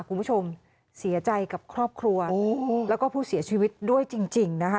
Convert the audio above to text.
คุณผู้ชมเสียใจกับครอบครัวแล้วก็ผู้เสียชีวิตด้วยจริงนะคะ